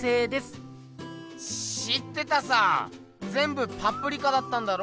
知ってたさぜんぶパプリカだったんだろ？